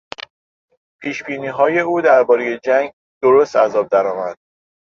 پیشبینیهای او دربارهی جنگ درست از آب درآمد.